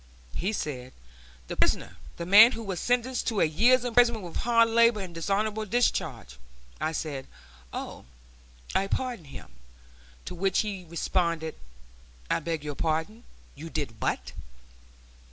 He said, "The prisoner, the man who was sentenced to a year's imprisonment with hard labor and dishonorable discharge." I said, "Oh! I pardoned him"; to which he responded, "I beg your pardon; you did what?"